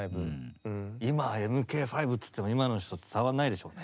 今「ＭＫ５」っつっても今の人伝わんないでしょうね。